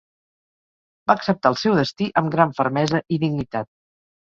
Va acceptar el seu destí amb gran fermesa i dignitat.